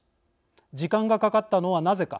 時間がかかったのはなぜか。